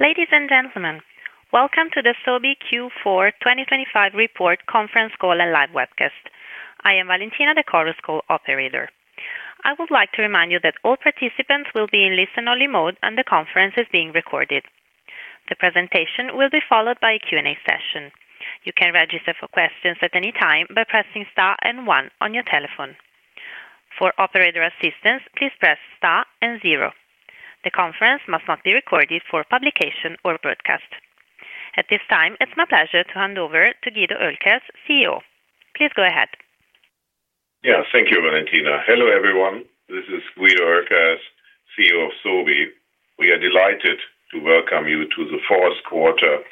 Ladies and gentlemen, Welcome to the Sobi Q4 2025 Report Conference Call and Live Webcast. I am Valentina, the conference call operator. I would like to remind you that all participants will be in listen-only mode, and the conference is being recorded. The presentation will be followed by a Q&A session. You can register for questions at any time by pressing star and one on your telephone. For operator assistance, please press star and zero. The conference must not be recorded for publication or broadcast. At this time, it's my pleasure to hand over to Guido Oelkers, CEO. Please go ahead. Yeah. Thank you, Valentina. Hello, everyone. This is Guido Oelkers, CEO of Sobi. We are delighted to welcome you to the Fourth Quarter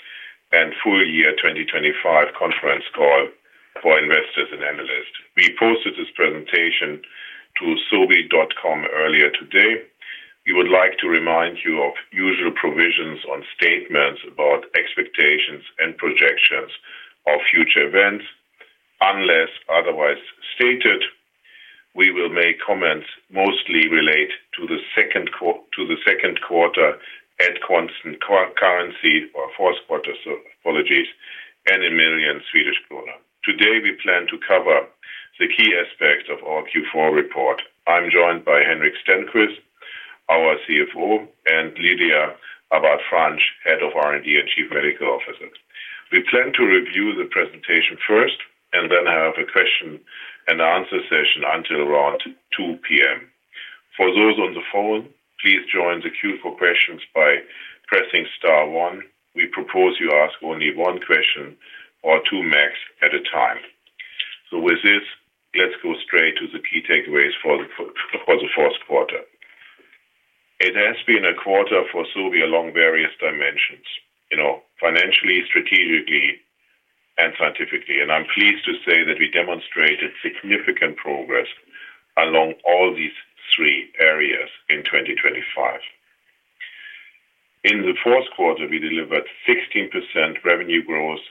and Full Year 2025 Conference Call for investors and analysts. We posted this presentation to sobi.com earlier today. We would like to remind you of usual provisions on statements about expectations and projections of future events. Unless otherwise stated, we will make comments mostly relate to the second quarter at constant currency or fourth quarter, apologies, and in million Swedish kronor. Today, we plan to cover the key aspects of our Q4 report. I'm joined by Henrik Stenqvist, our CFO, and Lydia Abad-Franch, Head of R&D and Chief Medical Officer. We plan to review the presentation first and then have a Q&A session until around 2:00 P.M. For those on the phone, please join the queue for questions by pressing star one. We propose you ask only one question or two max at a time. So with this, let's go straight to the key takeaways for the fourth quarter. It has been a quarter for Sobi along various dimensions, you know, financially, strategically, and scientifically. And I'm pleased to say that we demonstrated significant progress along all these three areas in 2025. In the fourth quarter, we delivered 16% revenue growth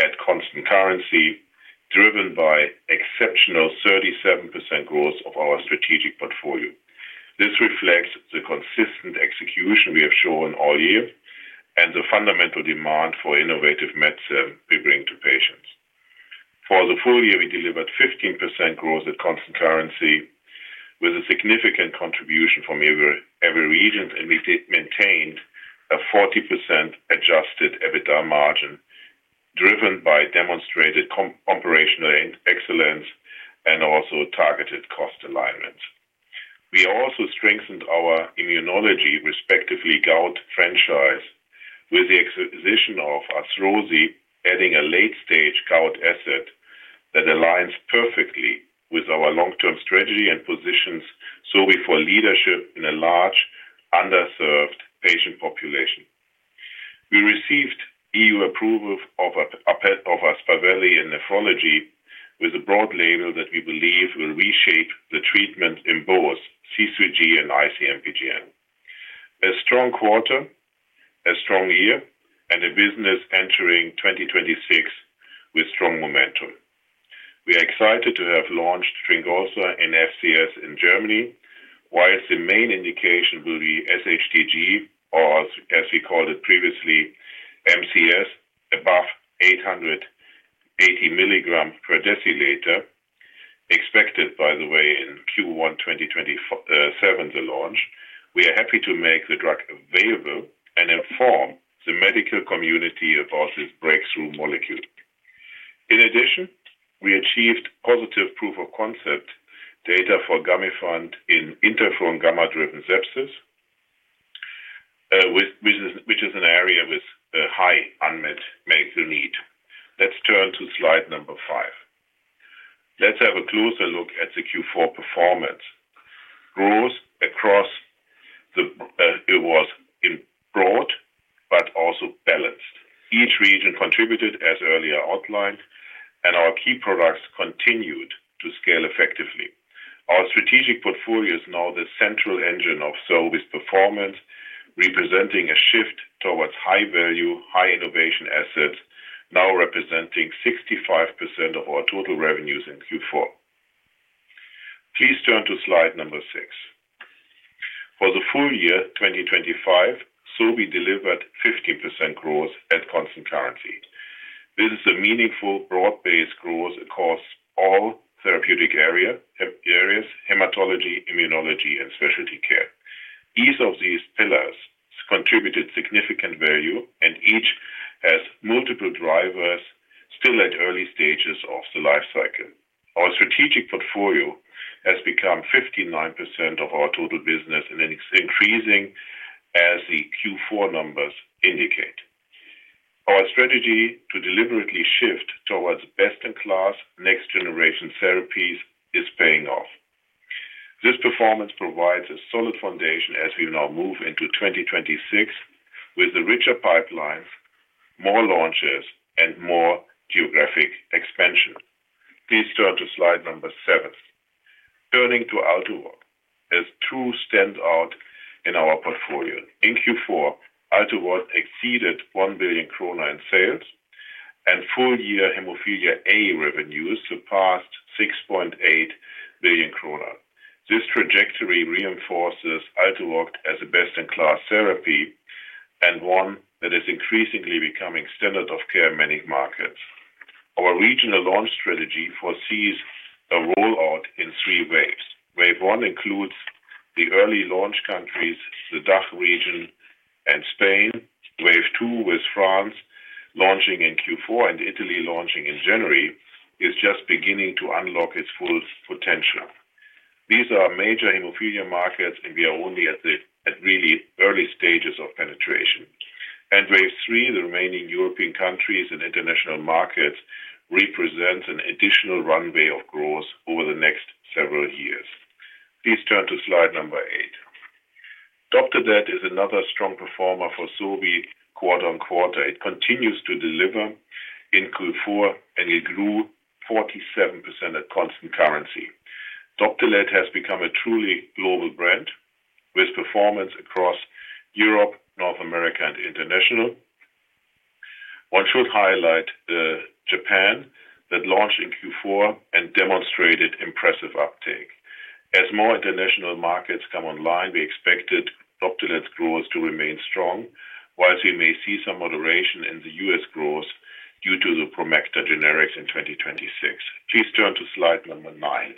at constant currency, driven by exceptional 37% growth of our strategic portfolio. This reflects the consistent execution we have shown all year and the fundamental demand for innovative medicines we bring to patients. For the full year, we delivered 15% growth at constant currency, with a significant contribution from every region, and we maintained a 40% adjusted EBITDA margin, driven by demonstrated operational excellence and also targeted cost alignment. We also strengthened our immunology, respectively, gout franchise, with the acquisition of Arthrosi, adding a late-stage gout asset that aligns perfectly with our long-term strategy and positions Sobi for leadership in a large, underserved patient population. We received EU approval of Aspaveli in nephrology with a broad label that we believe will reshape the treatment in both C3G and IC-MPGN. A strong quarter, a strong year, and a business entering 2026 with strong momentum. We are excited to have launched Olezarsen in FCS in Germany, while the main indication will be SHTG, or as we called it previously, MCS, above 880 milligrams per deciliter. Expected, by the way, in Q1 2027, the launch. We are happy to make the drug available and inform the medical community about this breakthrough molecule. In addition, we achieved positive proof-of-concept data for Gamifant in interferon gamma-driven sepsis, which is, which is an area with high unmet medical need. Let's turn to slide number five. Let's have a closer look at the Q4 performance. Growth across the, it was in broad but also balanced. Each region contributed as earlier outlined, and our key products continued to scale effectively. Our strategic portfolio is now the central engine of Sobi's performance, representing a shift towards high value, high innovation assets, now representing 65% of our total revenues in Q4. Please turn to slide number six. For the full year 2025, Sobi delivered 50% growth at constant currency. This is a meaningful, broad-based growth across all therapeutic area, areas, hematology, immunology, and specialty care. Each of these pillars contributed significant value, and each has multiple drivers still at early stages of the life cycle. Our strategic portfolio has become 59% of our total business and it's increasing as the Q4 numbers indicate. Our strategy to deliberately shift towards best-in-class, next-generation therapies is paying off. This performance provides a solid foundation as we now move into 2026 with a richer pipeline, more launches, and more geographic expansion. Please turn to slide number seven. Turning to Altuviiio and Elocta, as two stand out in our portfolio. In Q4, Altuviiio exceeded 1 billion krona in sales and full-year hemophilia A revenues surpassed 6.8 billion kronor. This trajectory reinforces Altuviiio as a best-in-class therapy and one that is increasingly becoming standard of care in many markets. Our regional launch strategy foresees a rollout in three waves. Wave one includes the early launch countries, the DACH region, and Spain. Wave two, with France launching in Q4 and Italy launching in January, is just beginning to unlock its full potential. These are major hemophilia markets, and we are only at really early stages of penetration. Wave three, the remaining European countries and international markets, represents an additional runway of growth over the next several years. Please turn to slide number eight. Doptelet is another strong performer for Sobi quarter-over-quarter. It continues to deliver in Q4, and it grew 47% at constant currency. Doptelet has become a truly global brand with performance across Europe, North America, and international. One should highlight Japan, that launched in Q4 and demonstrated impressive uptake. As more international markets come online, we expected Doptelet's growth to remain strong, while we may see some moderation in the US growth due to the Promacta generics in 2026. Please turn to slide nine.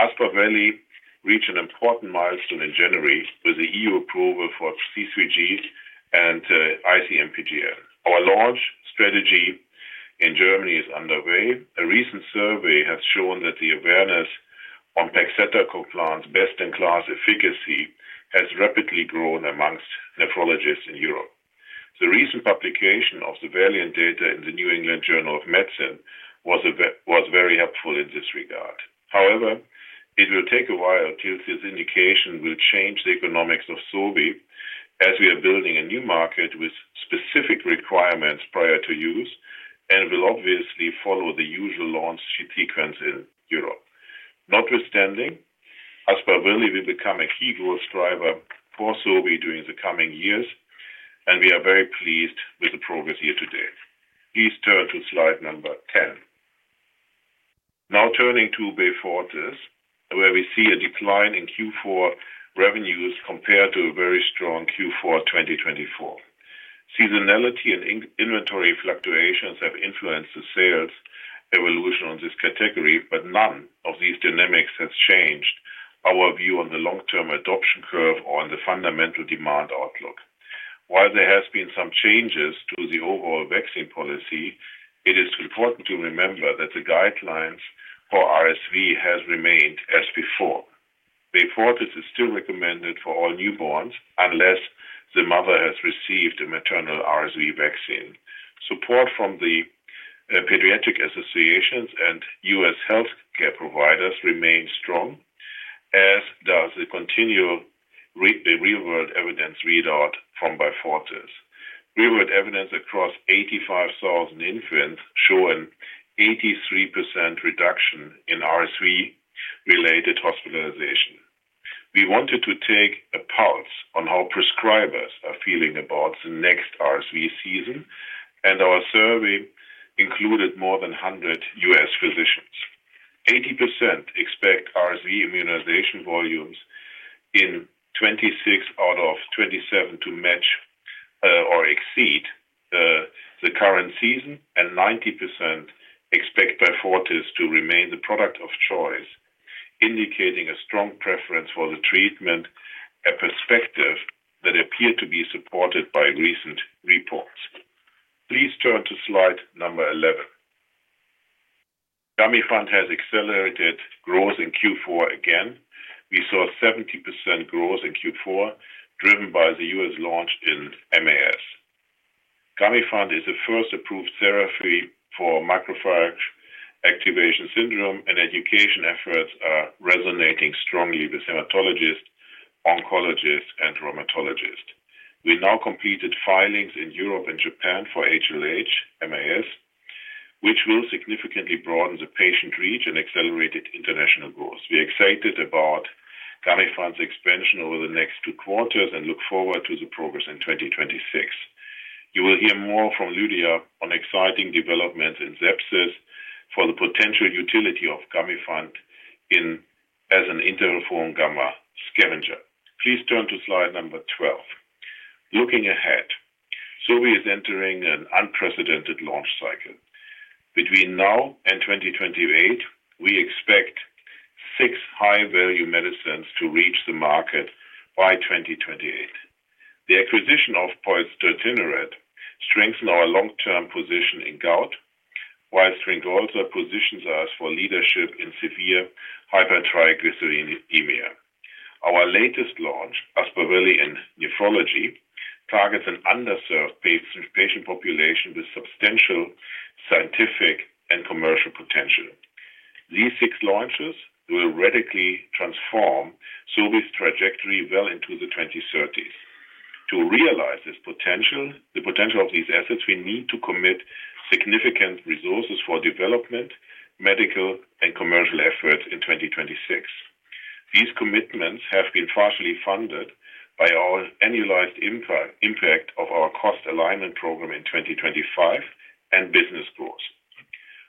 Aspaveli reached an important milestone in January with the EU approval for C3G and IC-MPGN. Our launch strategy in Germany is underway. A recent survey has shown that the awareness on pegcetacoplan's best-in-class efficacy has rapidly grown among nephrologists in Europe. The recent publication of the VALIANT data in the New England Journal of Medicine was very helpful in this regard. However, it will take a while till this indication will change the economics of Sobi as we are building a new market with specific requirements prior to use and will obviously follow the usual launch sequence in Europe. Notwithstanding, Aspaveli will become a key growth driver for Sobi during the coming years, and we are very pleased with the progress year to date. Please turn to slide number 10. Now turning to Beyfortus, where we see a decline in Q4 revenues compared to a very strong Q4 2024. Seasonality and inventory fluctuations have influenced the sales evolution on this category, but none of these dynamics has changed our view on the long-term adoption curve or on the fundamental demand outlook. While there has been some changes to the overall vaccine policy, it is important to remember that the guidelines for RSV has remained as before. Beyfortus is still recommended for all newborns, unless the mother has received a maternal RSV vaccine. Support from the pediatric associations and U.S. healthcare providers remains strong, as does the continual the real-world evidence readout from Beyfortus. Real-world evidence across 85,000 infants show an 83% reduction in RSV-related hospitalization. We wanted to take a pulse on how prescribers are feeling about the next RSV season, and our survey included more than 100 U.S. physicians. 80% expect RSV immunization volumes in 26 out of 27 to match or exceed the current season, and 90% expect Beyfortus to remain the product of choice, indicating a strong preference for the treatment, a perspective that appeared to be supported by recent reports. Please turn to slide number 11. Gamifant has accelerated growth in Q4 again. We saw 70% growth in Q4, driven by the U.S. launch in MAS. Gamifant is the first approved therapy for macrophage activation syndrome, and education efforts are resonating strongly with hematologists, oncologists, and rheumatologists. We now completed filings in Europe and Japan for HLH, MAS, which will significantly broaden the patient reach and accelerated international growth. We're excited about Gamifant's expansion over the next 2 quarters and look forward to the progress in 2026. You will hear more from Lydia on exciting developments in sepsis for the potential utility of Gamifant in- as an interferon gamma scavenger. Please turn to slide number 12. Looking ahead, Sobi is entering an unprecedented launch cycle. Between now and 2028, we expect six high-value medicines to reach the market by 2028. The acquisition of pozdeutinurad strengthen our long-term position in gout, while Olezarsen positions us for leadership in severe hypertriglyceridemia. Our latest launch, Aspaveli in nephrology, targets an underserved patient population with substantial scientific and commercial potential. These six launches will radically transform Sobi's trajectory well into the 2030s. To realize this potential, the potential of these assets, we need to commit significant resources for development, medical, and commercial efforts in 2026. These commitments have been partially funded by our annualized impact, impact of our cost alignment program in 2025 and business growth.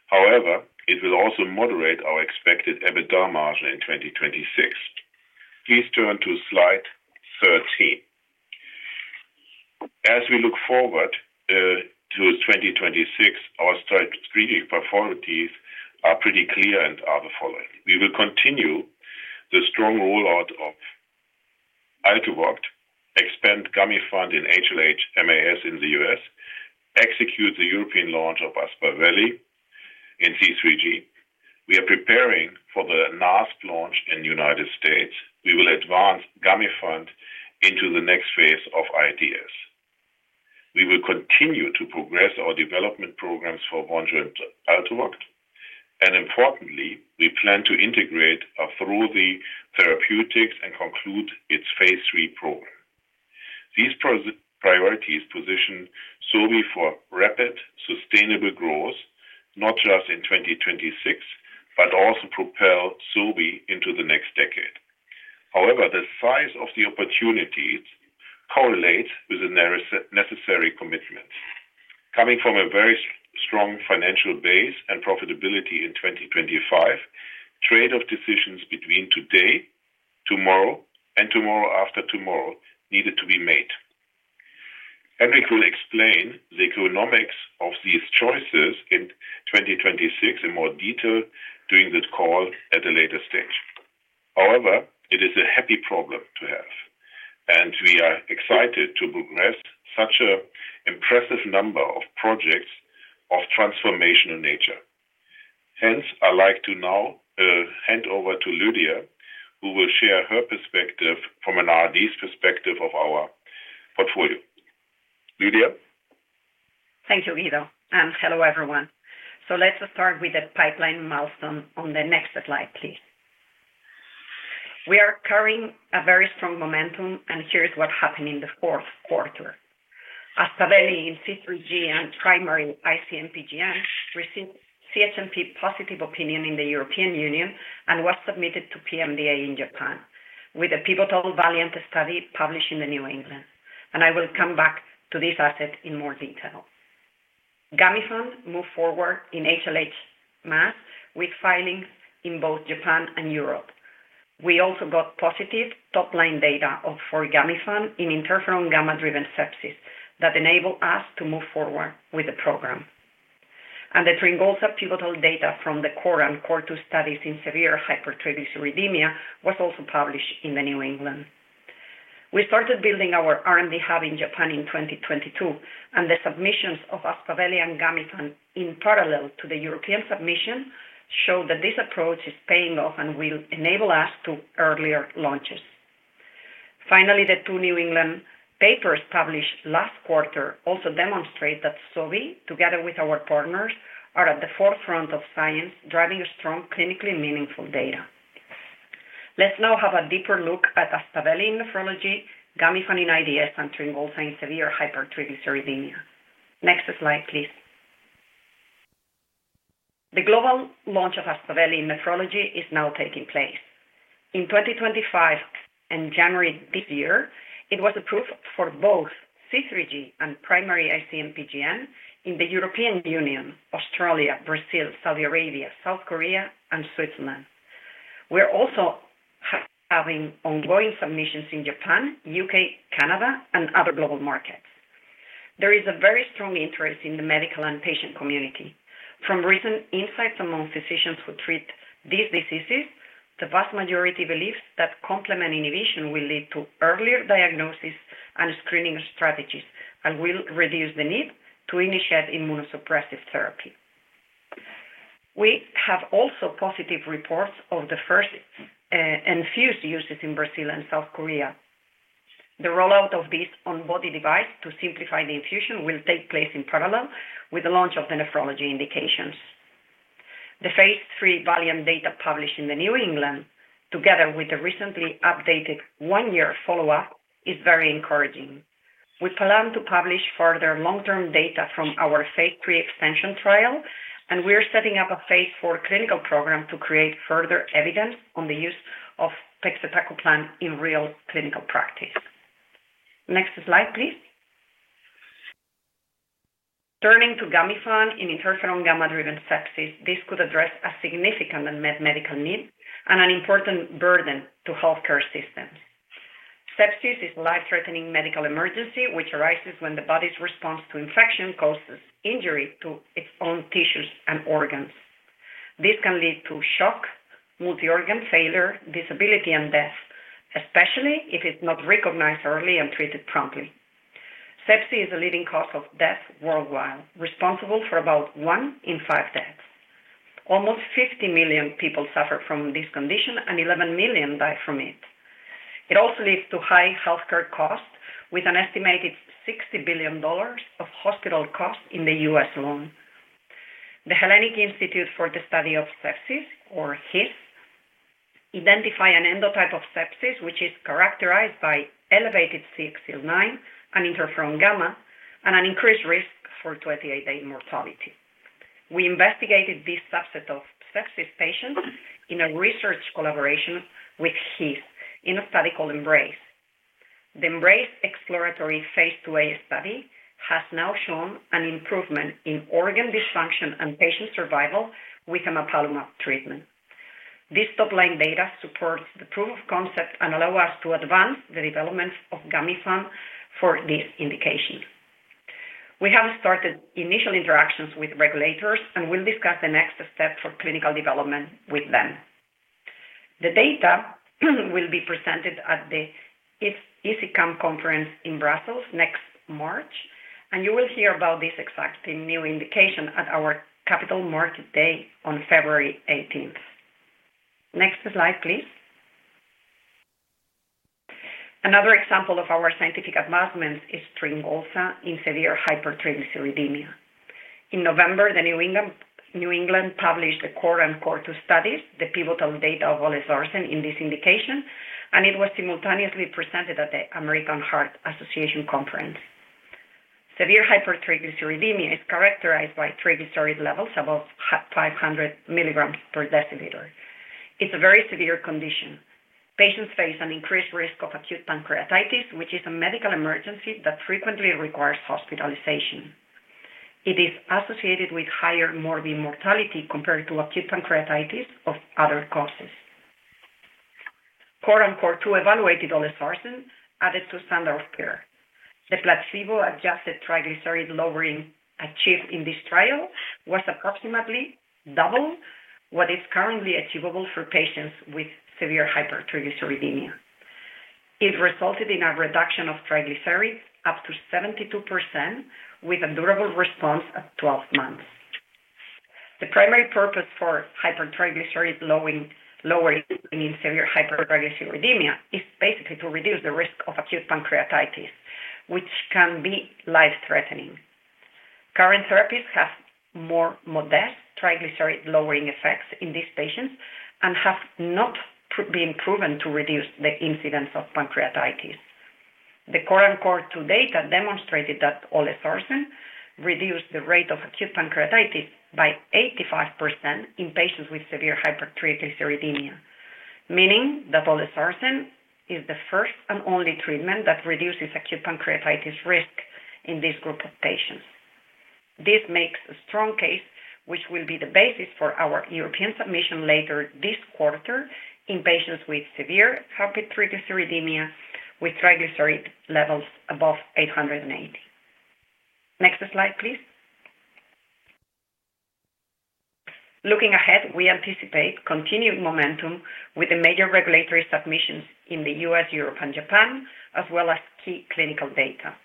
However, it will also moderate our expected EBITDA margin in 2026. Please turn to slide 13. As we look forward to 2026, our strategic priorities are pretty clear and are the following: We will continue the strong rollout of Altuviiio, expand Gamifant in HLH/MAS in the U.S., execute the European launch of Aspaveli in C3G. We are preparing for the NASP launch in the United States. We will advance Gamifant into the next phase of IDS. We will continue to progress our development programs for Vonjo and Altuviiio, and importantly, we plan to integrate our Arthrosi Therapeutics and conclude its phase three program. These priorities position Sobi for rapid, sustainable growth, not just in 2026, but also propel Sobi into the next decade. However, the size of the opportunities correlates with the necessary commitments. Coming from a very strong financial base and profitability in 2025, trade-off decisions between today, tomorrow, and tomorrow after tomorrow needed to be made. Erik will explain the economics of these choices in 2026 in more detail during this call at a later stage. However, it is a happy problem to have, and we are excited to progress such an impressive number of projects of transformational nature. Hence, I'd like to now hand over to Lydia, who will share her perspective from an R&D perspective of our portfolio. Lydia? Thanks, Guido, and hello, everyone. So let's start with the pipeline milestone on the next slide, please. We are carrying a very strong momentum, and here's what happened in the fourth quarter. Aspaveli in C3G and primary IC-MPGN received CHMP positive opinion in the European Union and was submitted to PMDA in Japan, with a pivotal VALIANT study published in the New England. And I will come back to this asset in more detail. Gamifant moved forward in HLH/MAS with filings in both Japan and Europe. We also got positive top-line data of for Gamifant in interferon gamma-driven sepsis that enable us to move forward with the program. And the Olezarsen pivotal data from the core and core two studies in severe hypertriglyceridemia was also published in the New England. We started building our R&D hub in Japan in 2022, and the submissions of Aspaveli and Gamifant in parallel to the European submission show that this approach is paying off and will enable us to earlier launches. Finally, the two New England papers published last quarter also demonstrate that Sobi, together with our partners, are at the forefront of science, driving strong, clinically meaningful data. Let's now have a deeper look at Aspaveli in nephrology, Gamifant in IDS, and Olezarsen in severe hypertriglyceridemia. Next slide, please. The global launch of Aspaveli in nephrology is now taking place. In 2025 and January this year, it was approved for both C3G and primary IC-MPGN in the European Union, Australia, Brazil, Saudi Arabia, South Korea, and Switzerland. We're also having ongoing submissions in Japan, UK, Canada, and other global markets. There is a very strong interest in the medical and patient community. From recent insights among physicians who treat these diseases, the vast majority believes that complement inhibition will lead to earlier diagnosis and screening strategies, and will reduce the need to initiate immunosuppressive therapy. We have also positive reports of the first infused uses in Brazil and South Korea. The rollout of this on-body device to simplify the infusion will take place in parallel with the launch of the nephrology indications. The phase III VALIANT data published in the New England, together with the recently updated 1-year follow-up, is very encouraging. We plan to publish further long-term data from our phase III extension trial, and we are setting up a phase 4 clinical program to create further evidence on the use of pegcetacoplan in real clinical practice. Next slide, please. Turning to Gamifant in interferon gamma-driven sepsis, this could address a significant unmet medical need and an important burden to healthcare systems. Sepsis is a life-threatening medical emergency, which arises when the body's response to infection causes injury to its own tissues and organs. This can lead to shock, multi-organ failure, disability, and death, especially if it's not recognized early and treated promptly. Sepsis is a leading cause of death worldwide, responsible for about one in five deaths. Almost 50 million people suffer from this condition, and 11 million die from it. It also leads to high healthcare costs, with an estimated $60 billion of hospital costs in the US alone. The Hellenic Institute for the Study of Sepsis, or HISS, identify an endotype of sepsis, which is characterized by elevated CXCL9 and interferon gamma and an increased risk for 28-day mortality. We investigated this subset of sepsis patients in a research collaboration with HISS in a study called EMBRACE. The EMBRACE exploratory phase II-A study has now shown an improvement in organ dysfunction and patient survival with emapalumab treatment. This top-line data supports the proof of concept and allow us to advance the development of Gamifant for this indication. We have started initial interactions with regulators, and we'll discuss the next step for clinical development with them. The data will be presented at the ISICEM Conference in Brussels next March, and you will hear about this exciting new indication at our Capital Markets Day on February 18. Next slide, please. Another example of our scientific advancements is Olezarsen in severe hypertriglyceridemia. In November, the New England Journal of Medicine published the CORE and CORE 2 studies, the pivotal data of olezarsen in this indication, and it was simultaneously presented at the American Heart Association conference. Severe hypertriglyceridemia is characterized by triglyceride levels above 500 milligrams per deciliter. It's a very severe condition. Patients face an increased risk of acute pancreatitis, which is a medical emergency that frequently requires hospitalization. It is associated with higher morbid mortality compared to acute pancreatitis of other causes. CORE and CORE 2 evaluated olezarsen added to standard of care. The placebo-adjusted triglyceride lowering achieved in this trial was approximately double what is currently achievable for patients with severe hypertriglyceridemia. It resulted in a reduction of triglycerides up to 72%, with a durable response at 12 months. The primary purpose for hypertriglyceride lowering, lowering in severe hypertriglyceridemia is basically to reduce the risk of acute pancreatitis, which can be life-threatening. Current therapies have more modest triglyceride-lowering effects in these patients and have not been proven to reduce the incidence of pancreatitis. The current KORE 2 data demonstrated that Olezarsen reduced the rate of acute pancreatitis by 85% in patients with severe hypertriglyceridemia, meaning that Olezarsen is the first and only treatment that reduces acute pancreatitis risk in this group of patients. This makes a strong case, which will be the basis for our European submission later this quarter in patients with severe hypertriglyceridemia, with triglyceride levels above 880. Next slide, please. Looking ahead, we anticipate continued momentum with the major regulatory submissions in the U.S., Europe, and Japan, as well as key clinical data.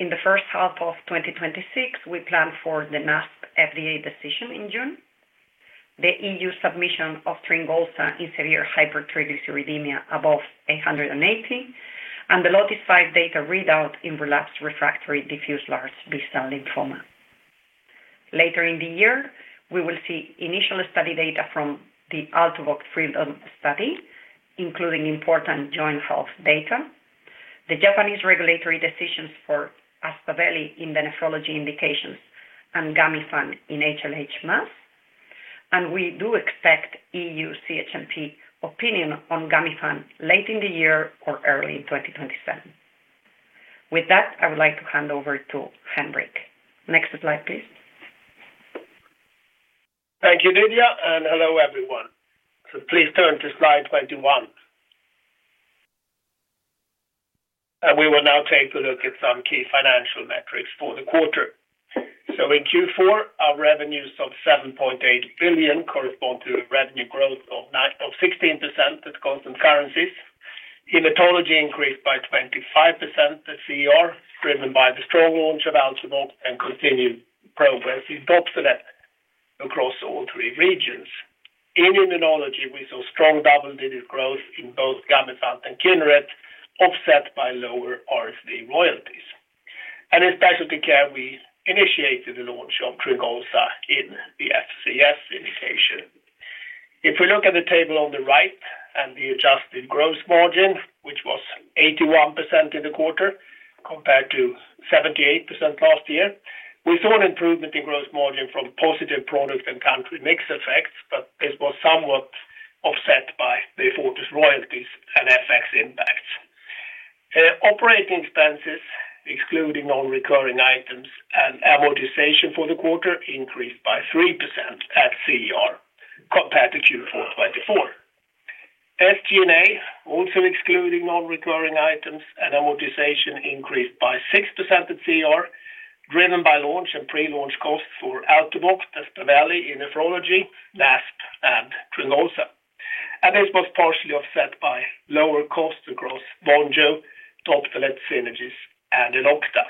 In the first half of 2026, we plan for the NASP FDA decision in June, the EU submission of Olezarsen in severe hypertriglyceridemia above 880, and the LOTIS-5 data readout in relapsed refractory diffuse large B-cell lymphoma. Later in the year, we will see initial study data from the Altuviiio freedom study, including important joint health data, the Japanese regulatory decisions for Aspaveli in the nephrology indications, and Gamifant in HLH MAS, and we do expect EU CHMP opinion on Gamifant late in the year or early in 2027. With that, I would like to hand over to Henrik. Next slide, please. Thank you, Lydia, and hello, everyone. So please turn to slide 21. We will now take a look at some key financial metrics for the quarter. In Q4, our revenues of 7.8 billion correspond to a revenue growth of 16% at constant currencies. Hematology increased by 25%, the CER, driven by the strong launch of Altuviiio and continued progress in Doptelet across all three regions. In immunology, we saw strong double-digit growth in both Gamifant and Kineret, offset by lower RFD royalties. In specialty care, we initiated the launch of Olezarsen in the FCS indication. If we look at the table on the right and the adjusted gross margin, which was 81% in the quarter compared to 78% last year, we saw an improvement in gross margin from positive product and country mix effects, but this was somewhat offset by the Synagis royalties and FX impacts. Operating expenses, excluding non-recurring items and amortization for the quarter, increased by 3% at CER compared to Q4 2024. SG&A, also excluding non-recurring items and amortization, increased by 6% at CER, driven by launch and pre-launch costs for Altuviiio, Aspaveli in nephrology, NASP, and Trigolza. This was partially offset by lower costs across Vonjo, Doptelet synergies, and Elocta,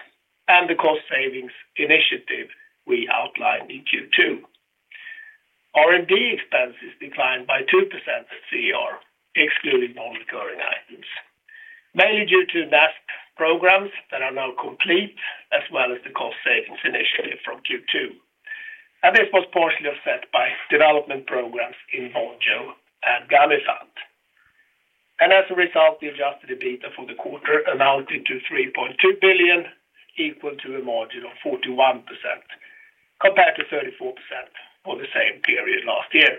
and the cost savings initiative we outlined in Q2. R&D expenses declined by 2% at CER, excluding non-recurring items, mainly due to NASP programs that are now complete, as well as the cost savings initiative from Q2. This was partially offset by development programs in Vonjo and Gamifant. As a result, the adjusted EBITDA for the quarter amounted to 3.2 billion, equal to a margin of 41%, compared to 34% for the same period last year.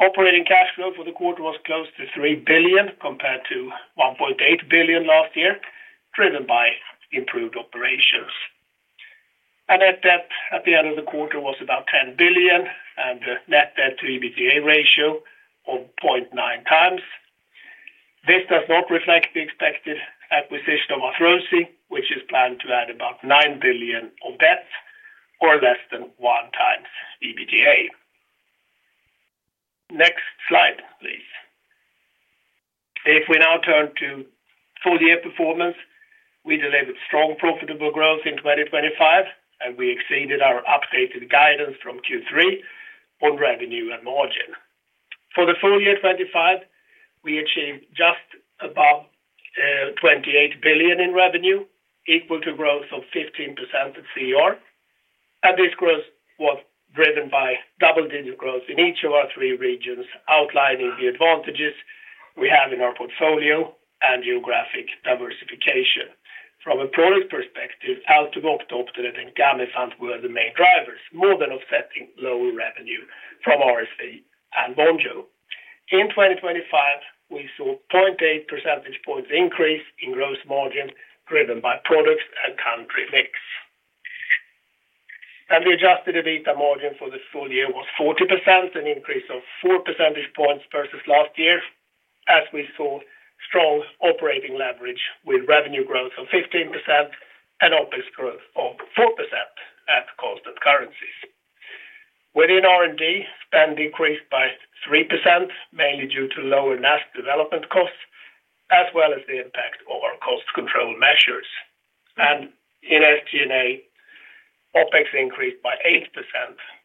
Operating cash flow for the quarter was close to 3 billion, compared to 1.8 billion last year, driven by improved operations. Net debt at the end of the quarter was about 10 billion, and net debt to EBITDA ratio of 0.9 times. This does not reflect the expected acquisition of Arthrosi, which is planned to add about 9 billion of debt, or less than 1 times EBITDA. Next slide, please. If we now turn to full year performance, we delivered strong profitable growth in 2025, and we exceeded our updated guidance from Q3 on revenue and margin. For the full year 2025, we achieved just above 28 billion in revenue, equal to growth of 15% at CER. This growth was driven by double-digit growth in each of our three regions, outlining the advantages we have in our portfolio and geographic diversification. From a product perspective, Altuviiio, Doptelet, and Gamifant were the main drivers, more than offsetting lower revenue from RSV and Vonjo. In 2025, we saw 0.8 percentage points increase in gross margin, driven by products and country mix. The adjusted EBITDA margin for the full year was 40%, an increase of 4 percentage points versus last year, as we saw strong operating leverage with revenue growth of 15% and OpEx growth of 4% at constant currencies. Within R&D, spend decreased by 3%, mainly due to lower NASP development costs, as well as the impact of our cost control measures. In SG&A, OpEx increased by 8%,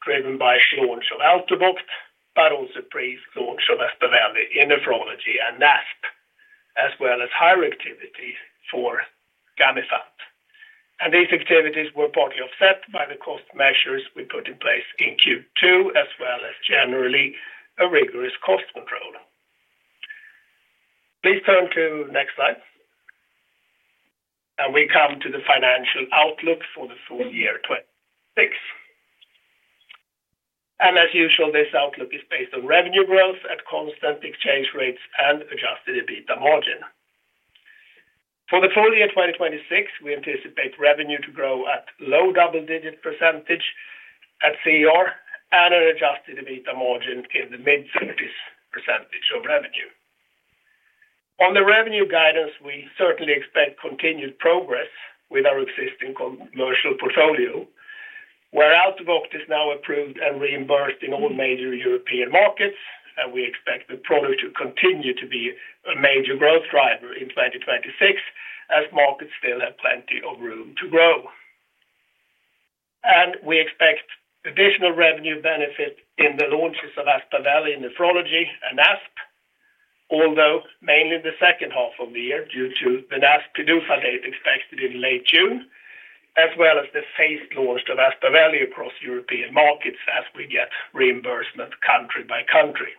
driven by launch of Altuviiio, but also pre-launch of Aspaveli in nephrology and NASP, as well as higher activity for Gamifant. These activities were partly offset by the cost measures we put in place in Q2, as well as generally a rigorous cost control. Please turn to next slide. We come to the financial outlook for the full year 2026. As usual, this outlook is based on revenue growth at constant exchange rates and adjusted EBITDA margin. For the full year 2026, we anticipate revenue to grow at low double-digit % at CER and an adjusted EBITDA margin in the mid-60s % of revenue. On the revenue guidance, we certainly expect continued progress with our existing commercial portfolio, where Altuviiio is now approved and reimbursed in all major European markets, and we expect the product to continue to be a major growth driver in 2026, as markets still have plenty of room to grow. We expect additional revenue benefit in the launches of Aspaveli in nephrology and Beyfortus, although mainly in the second half of the year, due to the Beyfortus PDUFA date expected in late June, as well as the phased launch of Aspaveli across European markets as we get reimbursement country by country.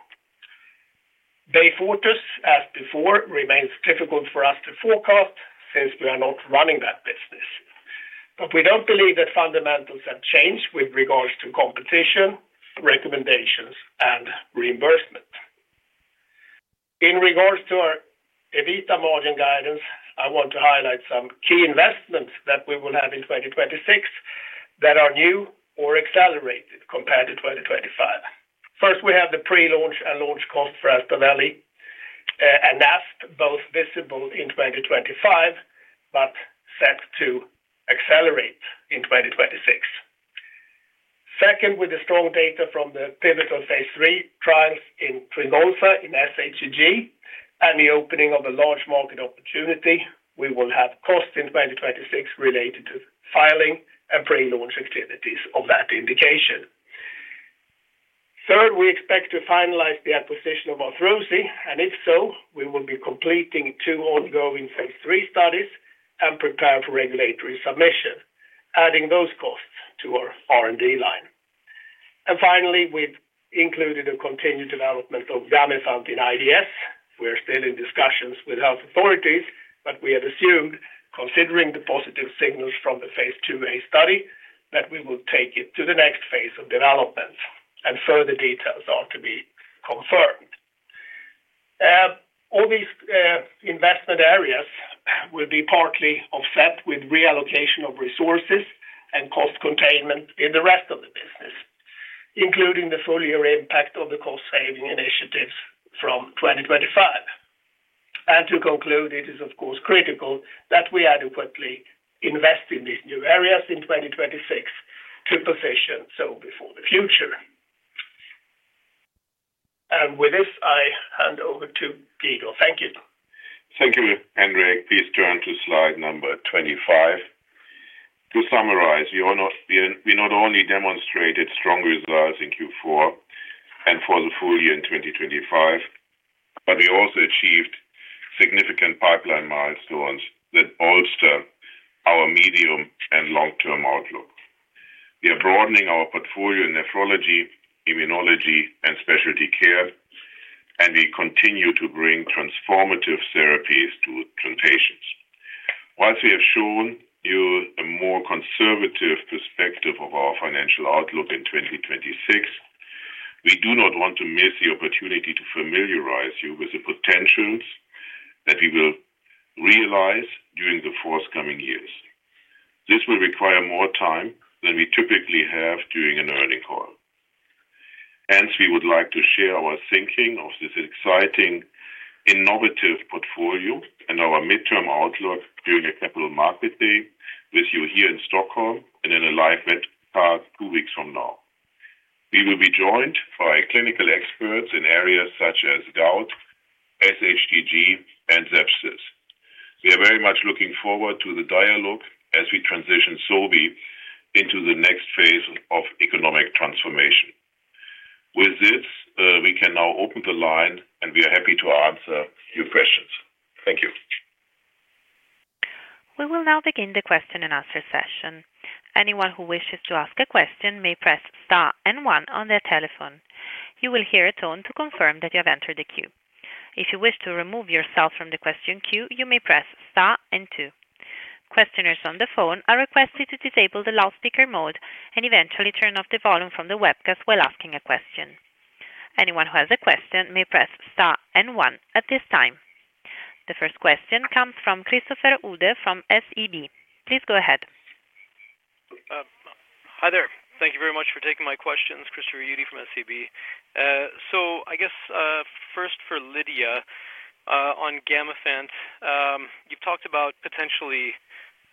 Beyfortus, as before, remains difficult for us to forecast since we are not running that business, but we don't believe that fundamentals have changed with regards to competition, recommendations, and reimbursement. In regards to our EBITDA margin guidance, I want to highlight some key investments that we will have in 2026 that are new or accelerated compared to 2025. First, we have the pre-launch and launch cost for Aspaveli in PNH, both visible in 2025, but set to accelerate in 2026. Second, with the strong data from the phase III trials of Olezarsen in FCS and SHTG and the opening of a large market opportunity, we will have costs in 2026 related to filing and pre-launch activities of that indication. Third, we expect to finalize the acquisition of Arthrosi, and if so, we will be completing two ongoing phase III studies and prepare for regulatory submission, adding those costs to our R&D line. Finally, we've included a continued development of Gamifant in IDS. We are still in discussions with health authorities, but we have assumed, considering the positive signals from the phase II-A study, that we will take it to the next phase of development, and further details are to be confirmed. All these investment areas will be partly offset with reallocation of resources and cost containment in the rest of the business, including the full year impact of the cost-saving initiatives from 2025. To conclude, it is, of course, critical that we adequately invest in these new areas in 2026 to position Sobi for the future. With this, I hand over to Guido. Thank you. Thank you, Henrik. Please turn to slide number 25. To summarize, we not only demonstrated strong results in Q4 and for the full year in 2025, but we also achieved significant pipeline milestones that bolster our medium- and long-term outlook. We are broadening our portfolio in nephrology, immunology, and specialty care, and we continue to bring transformative therapies to patients. While we have shown you a more conservative perspective of our financial outlook in 2026, we do not want to miss the opportunity to familiarize you with the potentials that we will realize during the forthcoming years. This will require more time than we typically have during an earnings call. Hence, we would like to share our thinking of this exciting, innovative portfolio and our midterm outlook during a Capital Markets Day with you here in Stockholm and in a live web cast two weeks from now. We will be joined by clinical experts in areas such as gout, SHTG, and sepsis. We are very much looking forward to the dialogue as we transition Sobi into the next phase of economic transformation. With this, we can now open the line, and we are happy to answer your questions. Thank you. We will now begin the Q&A session. Anyone who wishes to ask a question may press star and one on their telephone. You will hear a tone to confirm that you have entered the queue. If you wish to remove yourself from the question queue, you may press star and two. Questioners on the phone are requested to disable the loudspeaker mode and eventually turn off the volume from the webcast while asking a question. Anyone who has a question may press star and one at this time. The first question comes from Christopher Uhde from SEB. Please go ahead. Hi there. Thank you very much for taking my questions. Christopher Uhde from SEB. So I guess, first for Lydia, on Gamifant. You've talked about potentially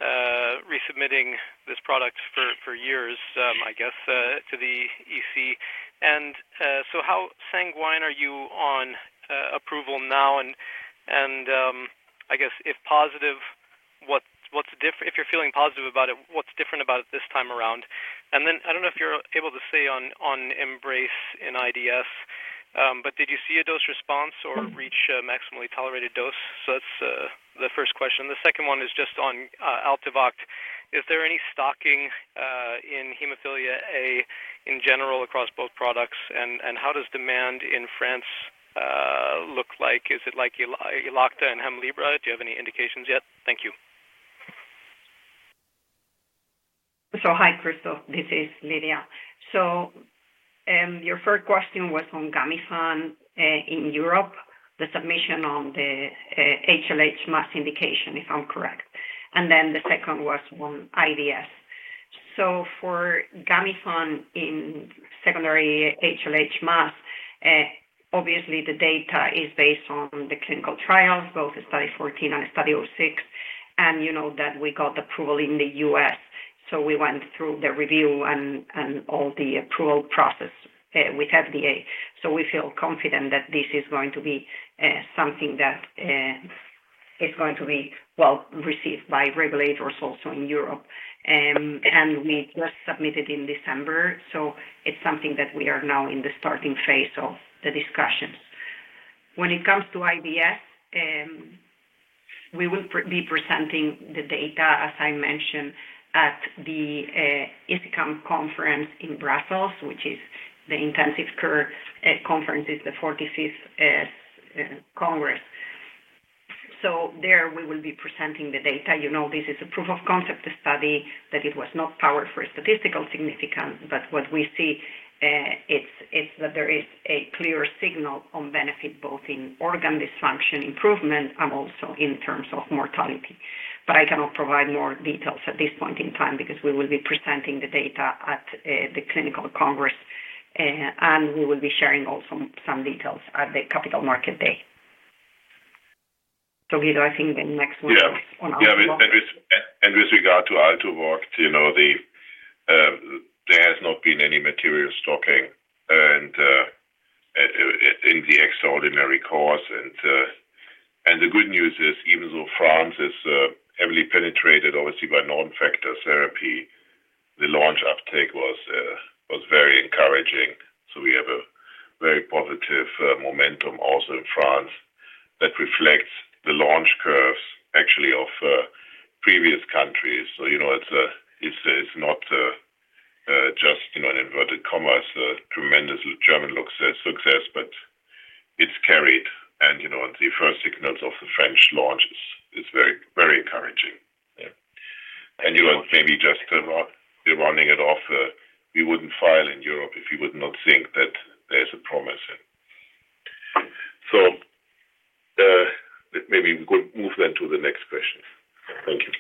resubmitting this product for years, I guess, to the EC. And so how sanguine are you on approval now? And I guess if positive, what's different about it this time around? And then I don't know if you're able to say on Embrace in IDS, but did you see a dose response or reach a maximally tolerated dose? So that's the first question. The second one is just on Altuviiio. Is there any stocking in hemophilia A in general across both products? And how does demand in France look like? Is it like Elocta and Hemlibra? Do you have any indications yet? Thank you. So hi, Christopher. This is Lydia. So, your first question was on Gamifant, in Europe, the submission on the, HLH MAS indication, if I'm correct, and then the second was on IDS. So for Gamifant in secondary HLH MAS, obviously the data is based on the clinical trials, both study 14 and study 06, and you know that we got approval in the US. So we went through the review and, and all the approval process, with FDA. So we feel confident that this is going to be, something that, is going to be well received by regulators also in Europe. And we just submitted in December, so it's something that we are now in the starting phase of the discussions. When it comes to IDS, we will be presenting the data, as I mentioned, at the ISICEM conference in Brussels, which is the intensive care conference, the 45th congress. So there we will be presenting the data. You know, this is a proof of concept study, that it was not powered for statistical significance, but what we see is that there is a clear signal on benefit, both in organ dysfunction improvement and also in terms of mortality. But I cannot provide more details at this point in time because we will be presenting the data at the clinical congress, and we will be sharing also some details at the Capital Markets Day. So Guido, I think the next one- Yeah. On Altevogt. Yeah, and with regard to Altuviiio, you know, the, there has not been any material stocking and, in the extraordinary course. And, and the good news is, even though France is, heavily penetrated obviously by non-factor therapy, the launch uptake was, was very encouraging. So we have a very positive, momentum also in France that reflects the launch curves actually of, previous countries. So, you know, it's a it's, it's not, just, you know, an inverted commas, a tremendously German success, but it's carried. And, you know, the first signals of the French launch is, very, very encouraging. Yeah. And you know, maybe just, rounding it off, we wouldn't file in Europe if you would not think that there's a promise then. So, maybe we could move then to the next question. Thank you.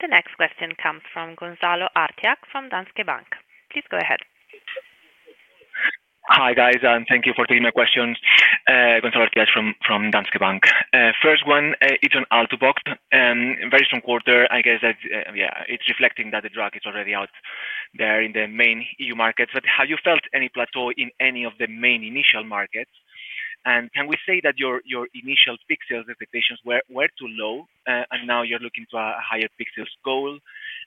The next question comes from Gonzalo Artiach from Danske Bank. Please go ahead. Hi, guys, and thank you for taking my questions. Gonzalo Artiach from Danske Bank. First one is on Altuviiio, very strong quarter. I guess that it's reflecting that the drug is already out there in the main EU markets, but have you felt any plateau in any of the main initial markets? And can we say that your initial peak sales expectations were too low, and now you're looking to a higher peak sales goal?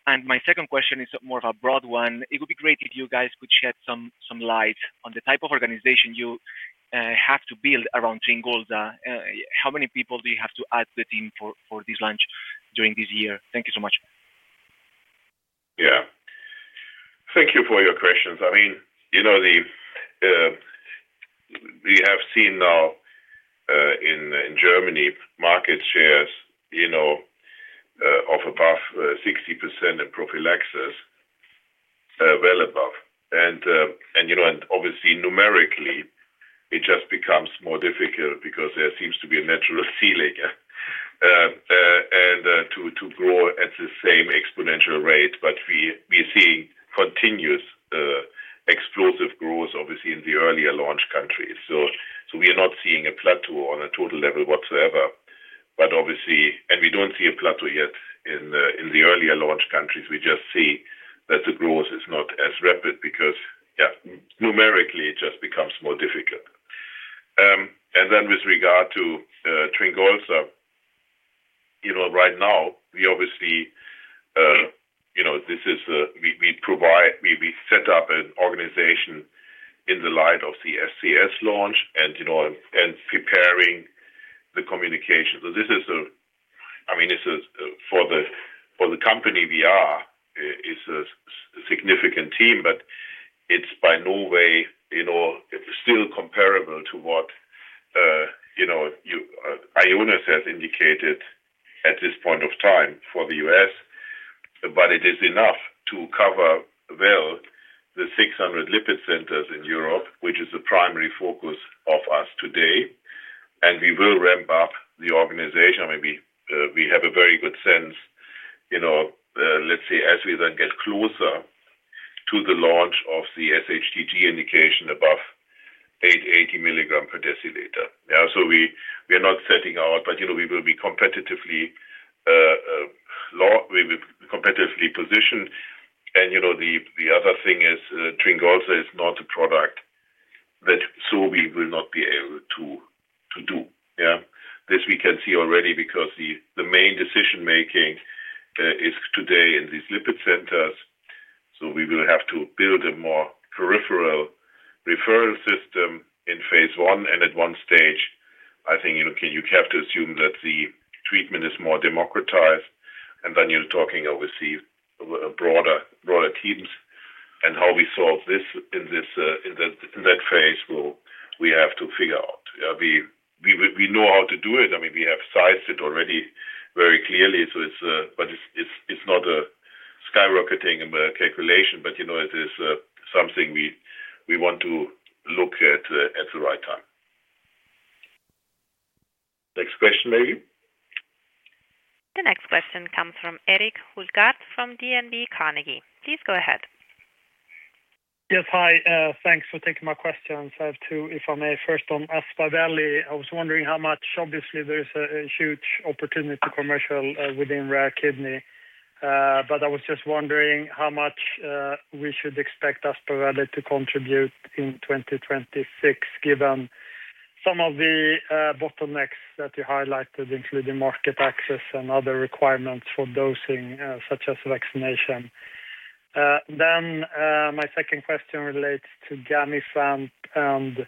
And my second question is more of a broad one. It would be great if you guys could shed some light on the type of organization you have to build around Olezarsen. How many people do you have to add to the team for this launch during this year? Thank you so much. Yeah. Thank you for your questions. I mean, you know, we have seen now in Germany market shares, you know, of above 60% in prophylaxis, well above. And, you know, and obviously numerically, it just becomes more difficult because there seems to be a natural ceiling. And to grow at the same exponential rate. But we are seeing continuous explosive growth, obviously, in the earlier launch countries. So we are not seeing a plateau on a total level whatsoever. But obviously And we don't see a plateau yet in the earlier launch countries. We just see that the growth is not as rapid because, yeah, numerically, it just becomes more difficult. And then with regard to Tringalza, you know, right now, we obviously, you know, this is, we set up an organization in the light of the FCS launch and, you know, and preparing the communication. So this is a, I mean, this is for the company we are a significant team, but it's by no means, you know, it's still comparable to what, you know, you, Ionis has indicated at this point of time for the US. But it is enough to cover well the 600 lipid centers in Europe, which is the primary focus of us today, and we will ramp up the organization. I mean, we have a very good sense, you know, let's say, as we then get closer to the launch of the SHTG indication above 880 milligrams per deciliter. Yeah, so we are not setting out, but, you know, we will be competitively positioned. And, you know, the other thing is, Tringalza is not a product that Sobi will not be able to do, yeah. This we can see already because the main decision-making is today in these lipid centers, so we will have to build a more peripheral referral system in phase I. And at one stage, I think, you know, you have to assume that the treatment is more democratized, and then you're talking, obviously, broader, broader teams. And how we solve this in this, in that, in that phase, well, we have to figure out. We know how to do it. I mean, we have sized it already very clearly, so it's, but it's not a skyrocketing calculation. But, you know, it is something we want to look at at the right time. Next question, maybe? The next question comes from Erik Hultgård, from DNB. Please go ahead. Yes. Hi, thanks for taking my questions. I have two, if I may. First, on Aspaveli, I was wondering how much. Obviously, there is a huge opportunity to commercial within rare kidney. But I was just wondering how much we should expect Aspaveli to contribute in 2026, given some of the bottlenecks that you highlighted, including market access and other requirements for dosing, such as vaccination. Then, my second question relates to Gamifant, and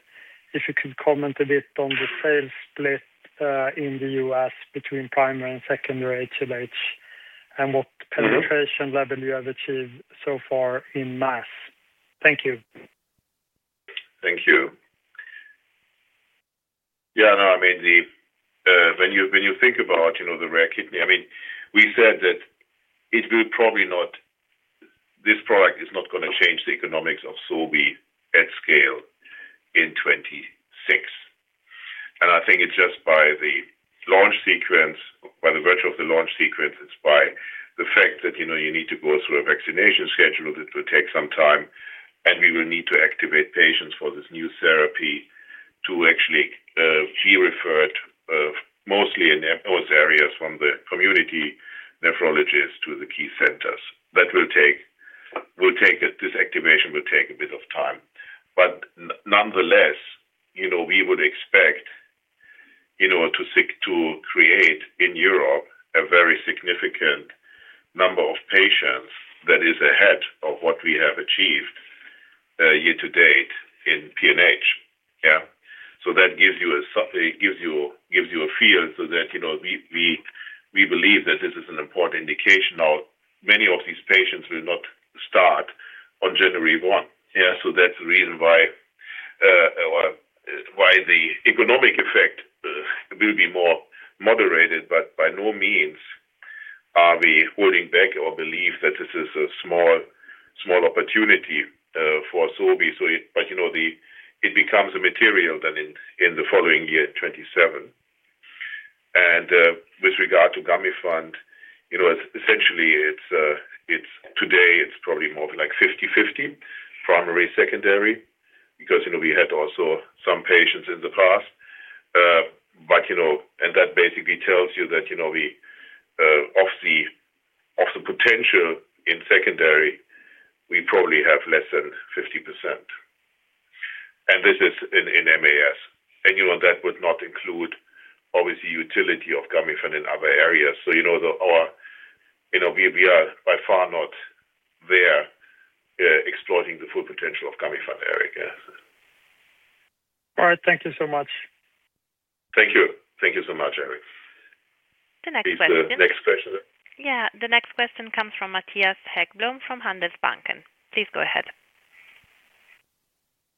if you could comment a bit on the sales split in the U.S. between primary and secondary HLH, and what penetration level you have achieved so far in MAS. Thank you. Thank you. Yeah, no, I mean, the when you think about, you know, the rare kidney, I mean, we said that it will probably not—this product is not gonna change the economics of Sobi at scale in 2026. And I think it's just by the launch sequence, by the virtue of the launch sequence, it's by the fact that, you know, you need to go through a vaccination schedule that will take some time, and we will need to activate patients for this new therapy to actually be referred, mostly in both areas, from the community nephrologist to the key centers. That will take, will take a this activation will take a bit of time. But nonetheless, you know, we would expect, you know, to seek to create in Europe a very significant number of patients that is ahead of what we have achieved year to date in PNH. Yeah? So that gives you a it gives you, gives you a feel so that, you know, we, we, we believe that this is an important indication. Now, many of these patients will not start on January one. Yeah, so that's the reason why or why the economic effect will be more moderated, but by no means are we holding back or believe that this is a small, small opportunity for Sobi. So it but, you know, the, it becomes a material then in, in the following year, 2027. With regard to Gamifant, you know, essentially, it's today, it's probably more like 50/50, primary/secondary, because, you know, we had also some patients in the past. But, you know, and that basically tells you that, you know, we, of the, of the potential in secondary, we probably have less than 50%. And this is in MAS. And, you know, that would not include, obviously, utility of Gamifant in other areas. So, you know, the, our. You know, we, we are by far not there, exploiting the full potential of Gamifant, Erik, yeah. All right. Thank you so much. Thank you. Thank you so much, Erik. The next question Please, the next question. Yeah, the next question comes from Mattias Häggblom, from Handelsbanken. Please go ahead.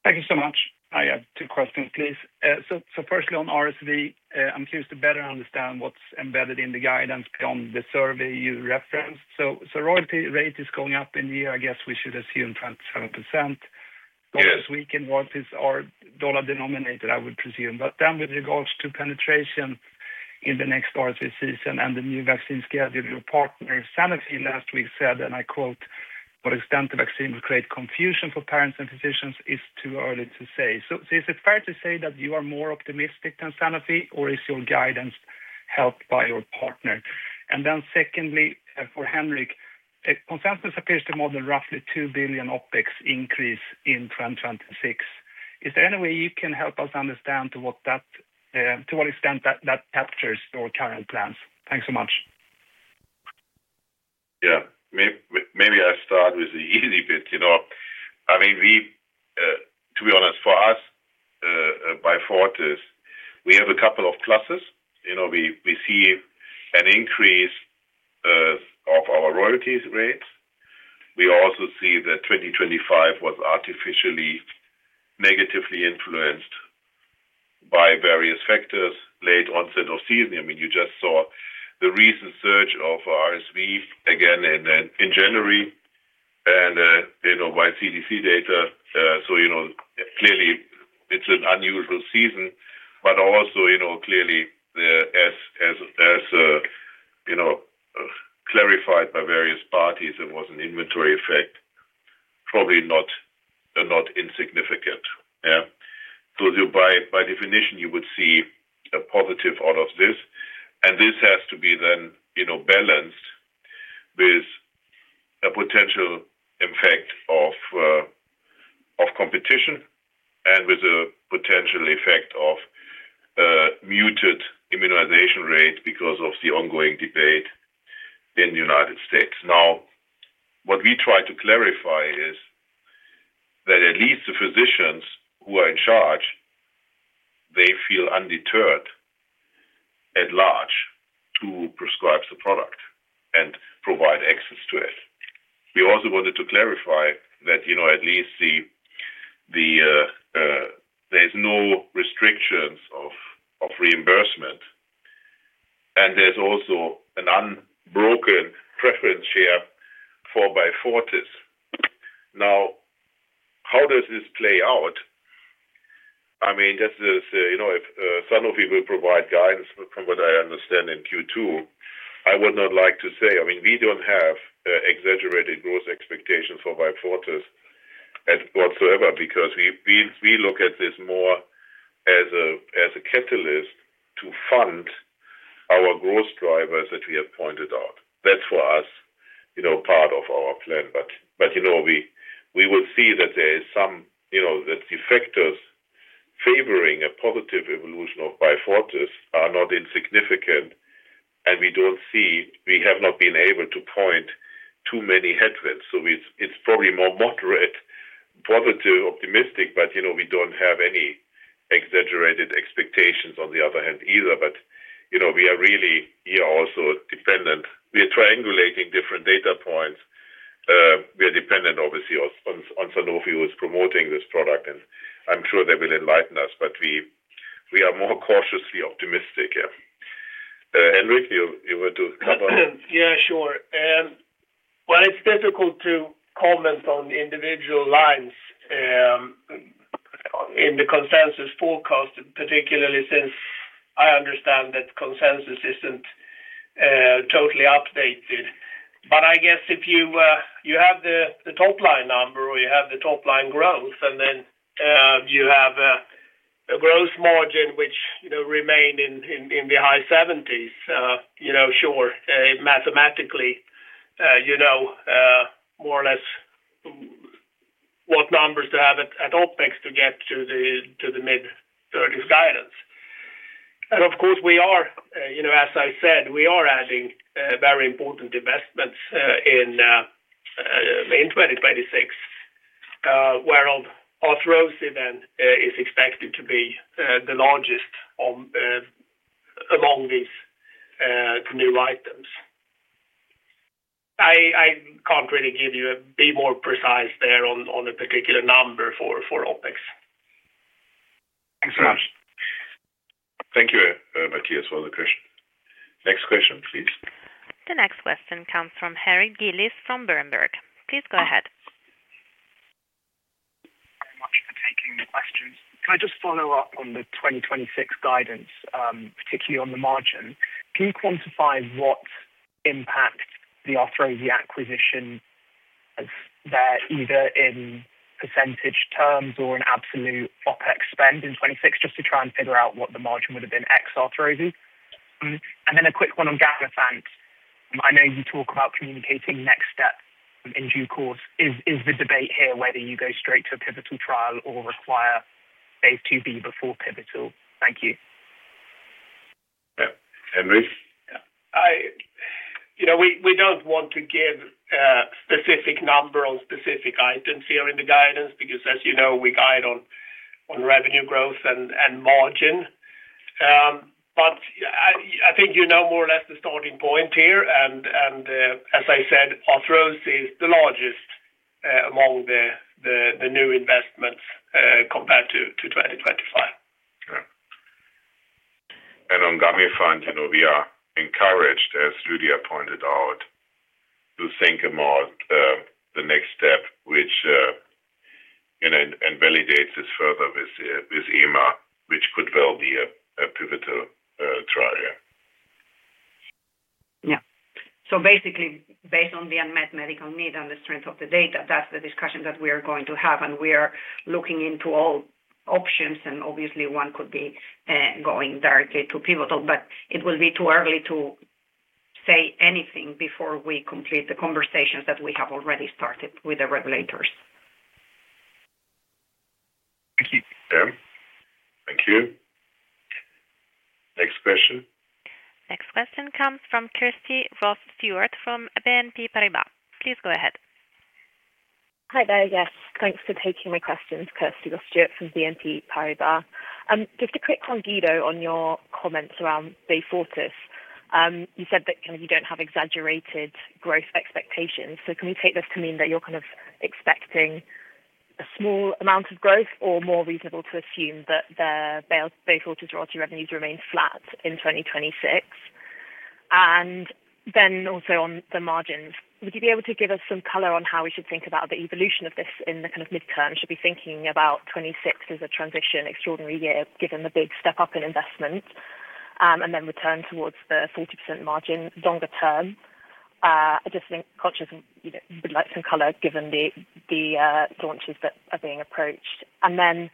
Thank you so much. I have two questions, please. So, firstly, on RSV, I'm curious to better understand what's embedded in the guidance based on the survey you referenced. So, royalty rate is going up in the year. I guess we should assume 27%. Yes. Not this weekend. What is our dollar denominated, I would presume, but then with regards to penetration in the next RSV season and the new vaccine schedule, your partner, Sanofi, last week said, and I quote: "What extent the vaccine will create confusion for parents and physicians is too early to say." So is it fair to say that you are more optimistic than Sanofi, or is your guidance helped by your partner? And then secondly, for Henrik, consensus appears to model roughly 2 billion OpEx increase in 2026. Is there any way you can help us understand to what that, to what extent that, that captures your current plans? Thanks so much. Yeah. Maybe I'll start with the easy bit. You know, I mean, we, to be honest, for us, Beyfortus, we have a couple of classes. You know, we, we see an increase of our royalties rates. We also see that 2025 was artificially negatively influenced by various factors, late onset of season. I mean, you just saw the recent surge of RSV again in, in January and, you know, by CDC data, so, you know, clearly it's an unusual season, but also, you know, clearly, as you know, clarified by various parties, it was an inventory effect, probably not insignificant. Yeah. So by definition, you would see a positive out of this, and this has to be then, you know, balanced with a potential effect of competition and with a potential effect of muted immunization rate because of the ongoing debate in the United States. Now, what we try to clarify is that at least the physicians who are in charge, they feel undeterred at large to prescribe the product and provide access to it. We also wanted to clarify that, you know, at least there's no restrictions of reimbursement, and there's also an unbroken preference share for Beyfortus. Now, how does this play out? I mean, just as, you know, if, Sanofi will provide guidance from what I understand in Q2, I would not like to say. I mean, we don't have exaggerated growth expectations for Beyfortus and whatsoever, because we look at this more as a catalyst to fund our growth drivers that we have pointed out. That's for us, you know, part of our plan. But, you know, we will see that there is some, you know, that the factors favoring a positive evolution of Beyfortus are not insignificant, and we don't see we have not been able to point too many headwinds, so it's probably more moderate, positive, optimistic, but, you know, we don't have any exaggerated expectations, on the other hand, either. But, you know, we are really here also dependent. We are triangulating different data points. We are dependent, obviously, on Sanofi, who is promoting this product, and I'm sure they will enlighten us, but we are more cautiously optimistic, yeah. Henrik, you were to cover? Yeah, sure. Well, it's difficult to comment on individual lines in the consensus forecast, particularly since I understand that consensus isn't totally updated. But I guess if you have the top line number, or you have the top line growth, and then you have a growth margin which, you know, remain in the high 70s, you know, sure, mathematically, you know, more or less what numbers to have at OpEx to get to the mid-30s guidance. And of course, we are, you know, as I said, we are adding very important investments in 2026, where Arthrosi then is expected to be the largest on among these new items. I can't really give you a bit more precise there on a particular number for OpEx. Thanks so much. Thank you, Mattias, for the question. Next question, please. The next question comes from Harry Gillis from Berenberg. Please go ahead. Very much for taking the questions. Can I just follow up on the 2026 guidance, particularly on the margin? Can you quantify what impact the Arthrosi acquisition is there, either in percentage terms or in absolute OpEx spend in 2026, just to try and figure out what the margin would have been ex Arthrosi? And then a quick one on Gamifant. I know you talk about communicating next steps in due course. Is the debate here whether you go straight to a pivotal trial or require phase II-B before pivotal? Thank you. Henrik? You know, we don't want to give specific number on specific items here in the guidance, because as you know, we guide on revenue growth and margin. But I think you know more or less the starting point here and as I said, Arthrosi is the largest among the new investments compared to 2025. Yeah. And on Gamifant, you know, we are encouraged, as Lydia pointed out, to think about the next step, which, you know, and validates this further with with EMA, which could well be a a pivotal trial, yeah. Yeah. So basically, based on the unmet medical need and the strength of the data, that's the discussion that we are going to have, and we are looking into all options, and obviously one could be going directly to pivotal. It will be too early to say anything before we complete the conversations that we have already started with the regulators. Thank you. Thank you. Next question. Next question comes from Kirsty Ross-Stewart from BNP Paribas. Please go ahead. Hi there. Yes, thanks for taking my questions. Kirsty Ross-Stewart from BNP Paribas. Just a quick one, Guido, on your comments around Beyfortus. You said that kind of you don't have exaggerated growth expectations. So can we take this to mean that you're kind of expecting a small amount of growth or more reasonable to assume that the Beyfortus royalty revenues remain flat in 2026? And then also on the margins, would you be able to give us some color on how we should think about the evolution of this in the kind of midterm? Should be thinking about 2026 as a transition extraordinary year, given the big step up in investment, and then return towards the 40% margin longer term. I just think conscious, you know, would like some color given the, the, launches that are being approached. And then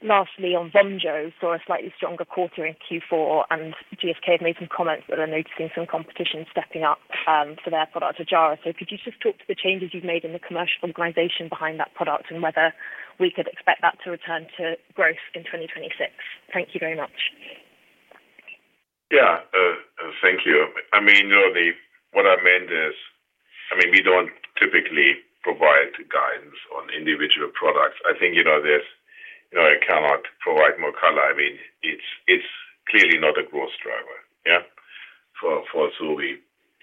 lastly, on Vonjo, saw a slightly stronger quarter in Q4, and GSK have made some comments that are noticing some competition stepping up, for their product, Ojjaara. So could you just talk to the changes you've made in the commercial organization behind that product and whether we could expect that to return to growth in 2026? Thank you very much. Yeah, thank you. I mean, you know, the what I meant is, I mean, we don't typically provide guidance on individual products. I think, you know this, you know, I cannot provide more color. I mean, it's clearly not a growth driver, yeah, for Vonjo,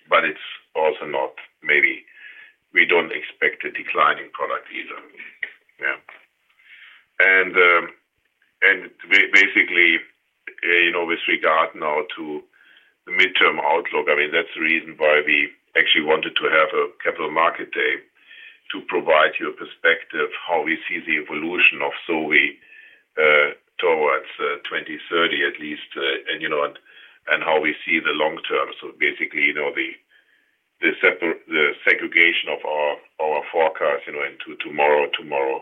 but it's also not maybe we don't expect a decline in product either. Yeah. And basically, you know, with regard now to the midterm outlook, I mean, that's the reason why we actually wanted to have a Capital Markets Day to provide you a perspective, how we see the evolution of Vonjo towards 2030 at least, and you know, and how we see the long term. So basically, you know, the segregation of our forecast, you know, into tomorrow, tomorrow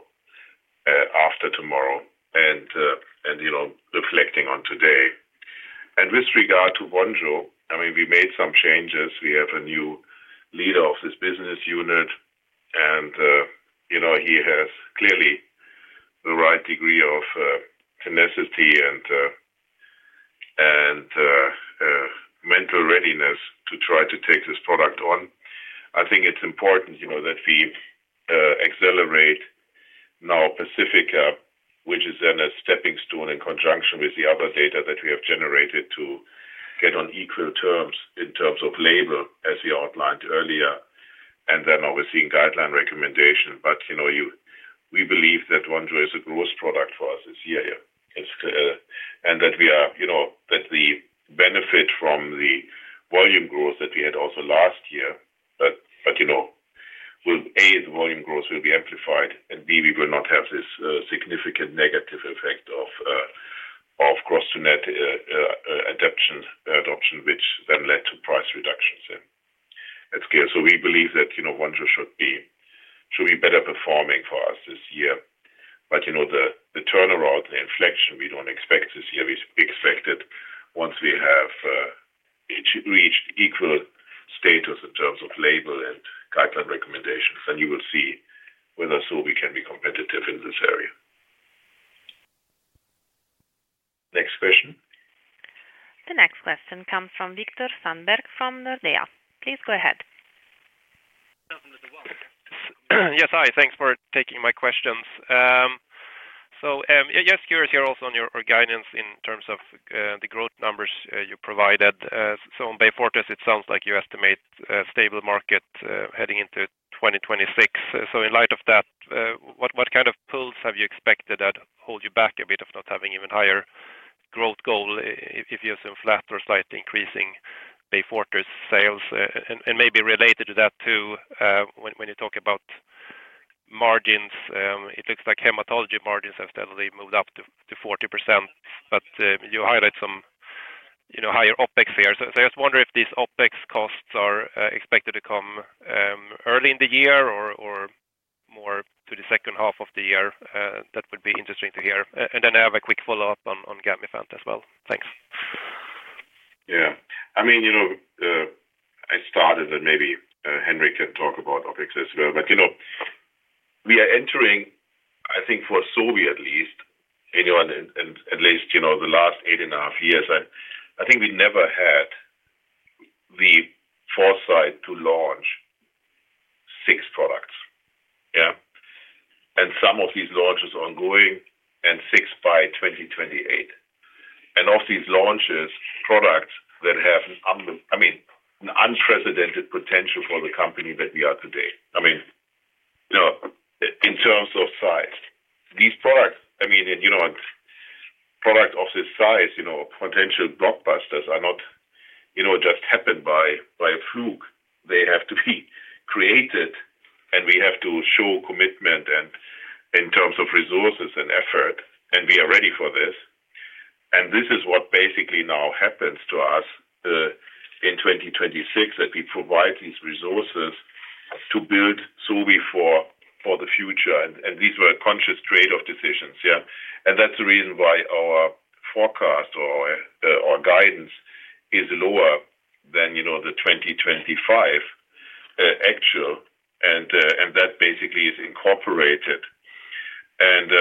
after tomorrow, and you know, reflecting on today. With regard to Vonjo, I mean, we made some changes. We have a new leader of this business unit, and you know, he has clearly the right degree of tenacity and mental readiness to try to take this product on. I think it's important, you know, that we accelerate now PACIFICA, which is then a stepping stone in conjunction with the other data that we have generated to get on equal terms in terms of label, as we outlined earlier, and then obviously in guideline recommendation. But, you know, we believe that Vonjo is a growth product for us this year. Yeah, it's and that we are, you know, that the benefit from the volume growth that we had also last year, but you know, A, the volume growth will be amplified, and B, we will not have this significant negative effect of gross to net adoption, which then led to price reductions then at scale. So we believe that, you know, Vonjo should be better performing for us this year. But, you know, the turnaround, the inflection, we don't expect this year. We expect it once we have each reached equal status in terms of label and guideline recommendations, then you will see whether Vonjo can be competitive in this area. Next question? The next question comes from Viktor Sandberg, from Nordea. Please go ahead. Yes, hi. Thanks for taking my questions. So, just curious here also on your guidance in terms of, the growth numbers, you provided. So on Beyfortus, it sounds like you estimate a stable market, heading into 2026. So in light of that, what, what kind of pulls have you expected that hold you back a bit of not having even higher growth goal if you have some flat or slightly increasing Beyfortus sales? And, maybe related to that too, when, when you talk about margins, it looks like hematology margins have steadily moved up to, to 40%, but, you highlight some, you know, higher OpEx here. So I just wonder if these OpEx costs are, expected to come, early in the year or, more to the second half of the year? That would be interesting to hear. And then I have a quick follow-up on Gamifant as well. Thanks. Yeah, I mean, you know, But, you know, we are entering, I think, for Sobi at least, anyone, and at least, you know, the last eight and a half years, I, I think we never had the foresight to launch six products. Yeah. And some of these launches are ongoing and six by 2028. And of these launches, products that have I mean, an unprecedented potential for the company that we are today. I mean, you know, in terms of size, these products, I mean, and, you know, product of this size, you know, potential blockbusters are not, you know, just happened by a fluke. They have to be created, and we have to show commitment and in terms of resources and effort, and we are ready for this. This is what basically now happens to us in 2026, that we provide these resources to build Sobi for the future. And these were conscious trade-off decisions, yeah. And that's the reason why our forecast or our guidance is lower than, you know, the 2025 actual, and that basically is incorporated. And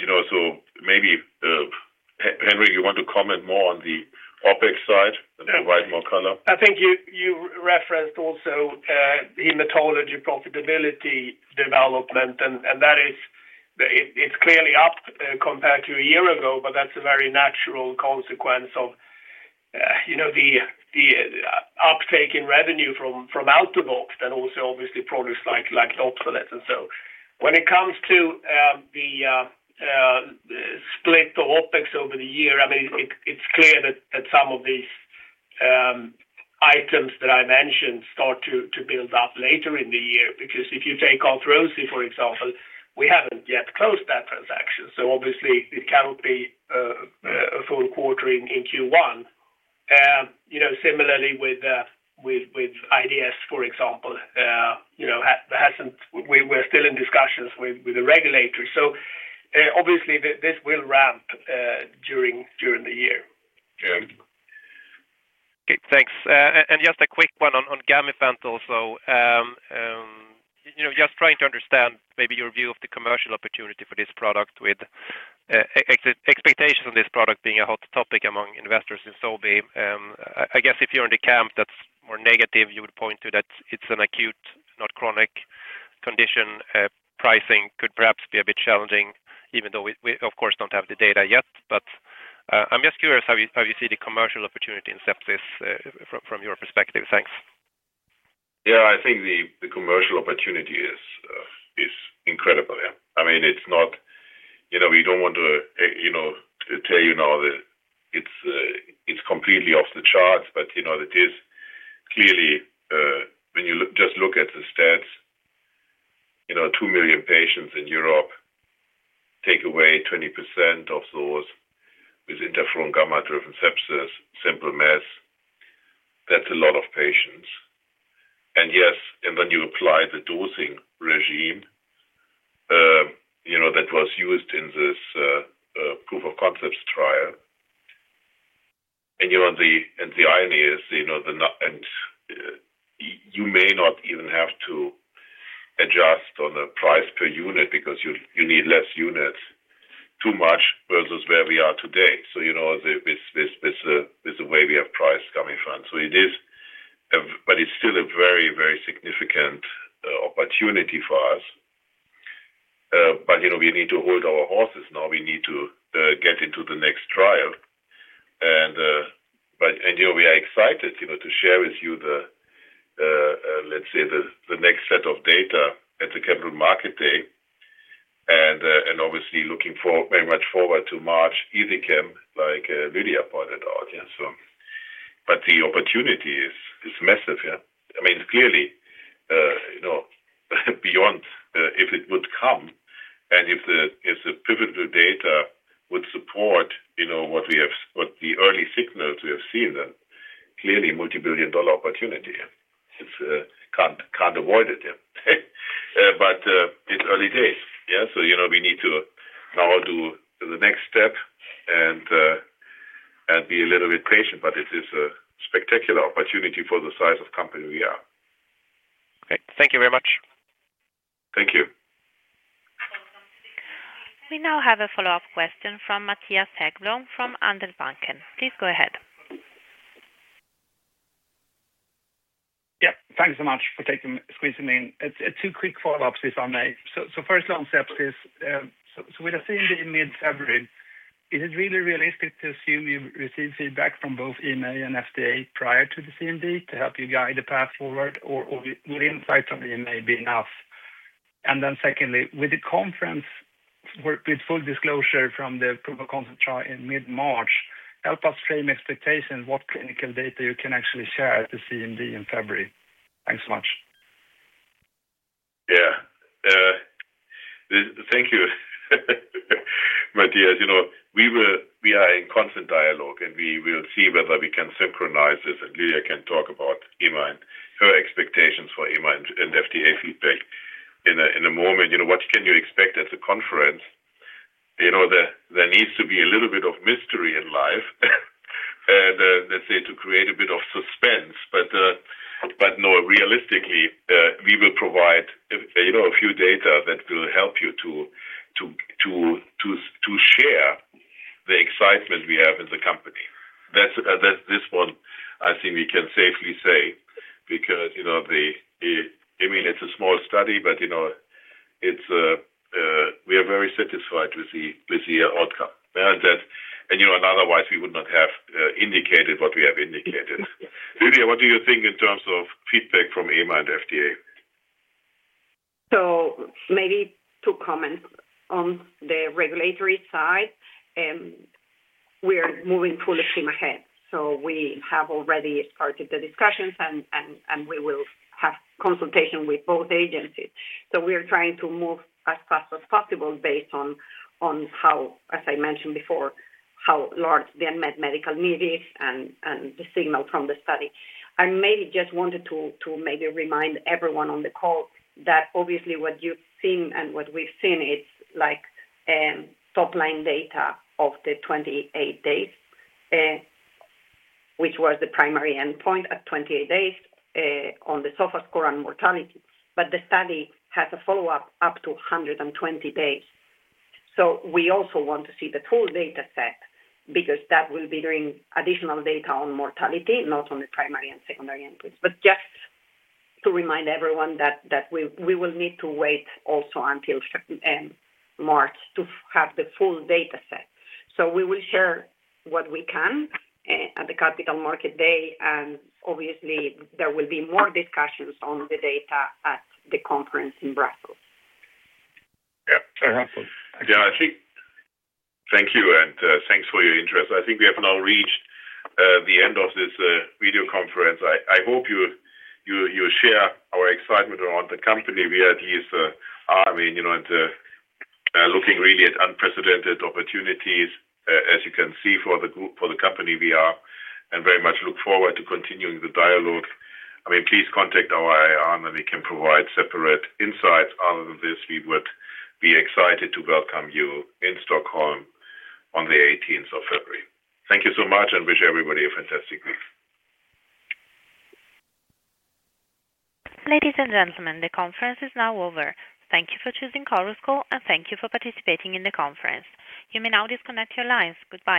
you know, so maybe Henrik, you want to comment more on the OpEx side and provide more color? I think you referenced also hematology profitability development, and that is the It's clearly up compared to a year ago, but that's a very natural consequence of you know the uptake in revenue from Altuviiio and also obviously products like Alprolix. And so when it comes to the split the OpEx over the year, I mean, it's clear that some of these items that I mentioned start to build up later in the year. Because if you take Arthrosi, for example, we haven't yet closed that transaction, so obviously it cannot be a full quarter in Q1. You know, similarly with IDS for example, you know, hasn't we're still in discussions with the regulators. So obviously this will ramp during the year. Yeah. Okay, thanks. And just a quick one on Gamifant also. You know, just trying to understand maybe your view of the commercial opportunity for this product with expectations on this product being a hot topic among investors in Sobi. I guess if you're in the camp that's more negative, you would point to that it's an acute, not chronic condition. Pricing could perhaps be a bit challenging, even though we, of course, don't have the data yet. But, I'm just curious how you see the commercial opportunity in sepsis from your perspective. Thanks. Yeah, I think the commercial opportunity is incredible, yeah. I mean, it's not you know, we don't want to, you know, tell you now that it's completely off the charts, but, you know, it is clearly, when you look, just look at the stats, you know, two million patients in Europe take away 20% of those with interferon gamma driven sepsis, simple math, that's a lot of patients. And yes, and when you apply the dosing regime, you know, that was used in this proof of concepts trial, and, you know, the, and the irony is, you know, the not and you may not even have to adjust on a price per unit because you need less units to match versus where we are today. So, you know, this is the way we have priced Gamifant. So it is, but it's still a very, very significant opportunity for us. But, you know, we need to hold our horses now. We need to get into the next trial. But and, you know, we are excited, you know, to share with you the, let's say, the next set of data at the Capital Market Day and obviously looking forward very much to March ISICEM, like Lydia pointed out. Yeah, so but the opportunity is massive, yeah. I mean, clearly, you know, beyond if it would come and if the pivotal data would support, you know, what we have, what the early signals we have seen, then clearly multi-billion-dollar opportunity. It's can't avoid it, yeah. But it's early days. Yeah. So, you know, we need to now do the next step and be a little bit patient, but it is a spectacular opportunity for the size of company we are. Great. Thank you very much. Thank you. We now have a follow-up question from Mattias Häggblom, from Handelsbanken. Please go ahead. Yeah, thank you so much for taking, squeezing me in. Two quick follow-ups if I may. So, so first on sepsis. So with a CMD in mid-February, is it really realistic to assume you've received feedback from both EMA and FDA prior to the CMD to help you guide the path forward, or, or will insight from EMA be enough? And then secondly, with the conference, with, with full disclosure from the proof of concept trial in mid-March, help us frame expectations, what clinical data you can actually share at the CMD in February. Thanks so much. Yeah. Thank you. Mattias, you know, we are in constant dialogue, and we will see whether we can synchronize this, and Lydia can talk about EMA and her expectations for EMA and FDA feedback in a moment. You know, what can you expect at the conference? You know, there needs to be a little bit of mystery in life, and, let's say, to create a bit of suspense. But no, realistically, we will provide, you know, a few data that will help you to share the excitement we have in the company. That's this one I think we can safely say, because, you know, I mean, it's a small study, but, you know, it's, we are very satisfied with the outcome. You know, otherwise we would not have indicated what we have indicated. Julia, what do you think in terms of feedback from EMA and FDA? So maybe to comment on the regulatory side, we are moving full steam ahead. So we have already started the discussions and we will have consultation with both agencies. So we are trying to move as fast as possible based on how, as I mentioned before, how large the unmet medical need is and the signal from the study. I maybe just wanted to maybe remind everyone on the call that obviously what you've seen and what we've seen, it's like top-line data of the 28 days, which was the primary endpoint at 28 days, on the SOFA score and mortality. But the study has a follow-up up to 120 days. So we also want to see the full data set, because that will be doing additional data on mortality, not on the primary and secondary endpoints. But just to remind everyone that we will need to wait also until March to have the full data set. So we will share what we can at the Capital Markets Day, and obviously, there will be more discussions on the data at the conference in Brussels. Yeah. Yeah, I think. Thank you, and thanks for your interest. I think we have now reached the end of this video conference. I hope you share our excitement around the company. We at least are, I mean, you know, and looking really at unprecedented opportunities, as you can see, for the group, for the company we are, and very much look forward to continuing the dialogue. I mean, please contact our IR, and we can provide separate insights. Other than this, we would be excited to welcome you in Stockholm on the eighteenth of February. Thank you so much, and wish everybody a fantastic week. Ladies and gentlemen, the conference is now over. Thank you for choosing Chorus Call, and thank you for participating in the conference. You may now disconnect your lines. Goodbye.